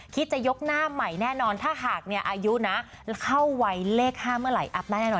จะยกหน้าใหม่แน่นอนถ้าหากอายุนะเข้าวัยเลข๕เมื่อไหอัพได้แน่นอน